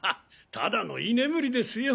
ただの居眠りですよ。